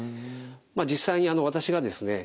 実際に私がですね